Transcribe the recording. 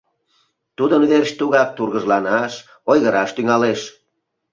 Тудын верч тугак тургыжланаш, ойгыраш тӱҥалеш.